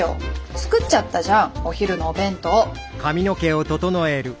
作っちゃったじゃんお昼のお弁当。